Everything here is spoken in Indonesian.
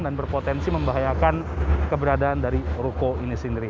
dan berpotensi membahayakan keberadaan dari ruko ini sendiri